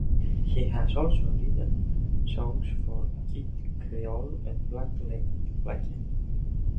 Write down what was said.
He has also written songs for Kid Creole and Black Lace.